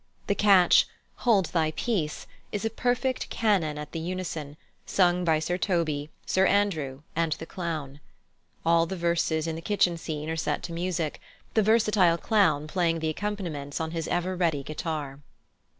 The catch "Hold thy peace" is a perfect canon at the unison, sung by Sir Toby, Sir Andrew, and the clown. All the verses in the kitchen scene are set to music, the versatile clown playing the accompaniments on his ever ready guitar.